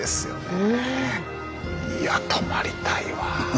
うん！いや泊まりたいわ。